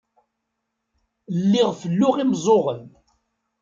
Lliɣ felluɣ imeẓẓuɣen.